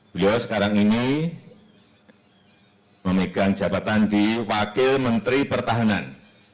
beliau sekarang ini memegang jabatan di wakil menteri pertahanan